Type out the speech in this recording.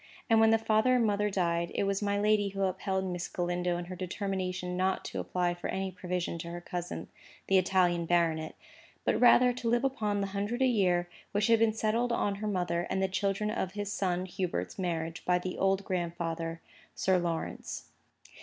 And when the father and mother died, it was my lady who upheld Miss Galindo in her determination not to apply for any provision to her cousin, the Italian baronet, but rather to live upon the hundred a year which had been settled on her mother and the children of his son Hubert's marriage by the old grandfather, Sir Lawrence.